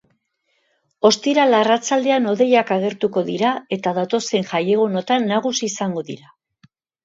Ostiral arratsaldean hodeiak agertuko dira eta datozen jaiegunotan nagusi izango dira.